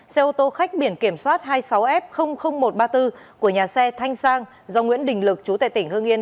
xe ô tô khách biển kiểm soát hai mươi sáu f một trăm ba mươi bốn của nhà xe thanh sang do nguyễn đình lực chú tại tỉnh hương yên